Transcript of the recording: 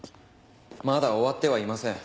まだ終わってはいません。